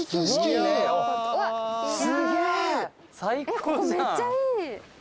ここめっちゃいい。